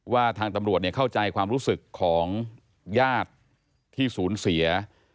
ทางตำรวจเข้าใจความรู้สึกของญาติที่ศูนย์เสีย